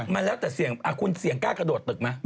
มันแล้วแต่เสี่ยงคุณเสี่ยงกล้ากระโดดตึกไหม